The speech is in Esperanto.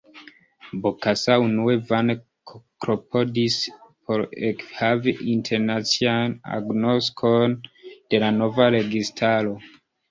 Bokassa unue vane klopodis por ekhavi internacian agnoskon de la nova registaro.